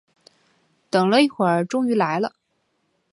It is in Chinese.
等了一会儿终于来了